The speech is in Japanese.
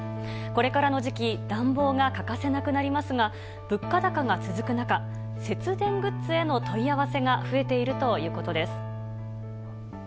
これからの時期、暖房が欠かせなくなりますが、物価高が続く中、節電グッズへの問い合わせが増えているということです。